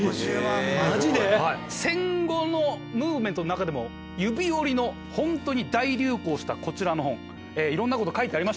マジで⁉戦後のムーブメントの中でも指折りのホントに大流行したこちらの本いろんなこと書いてありました。